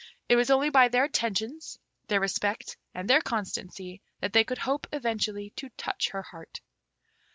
It was only by their attentions, their respect, and their constancy, that they could hope eventually to touch her heart.